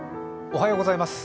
おはようございます。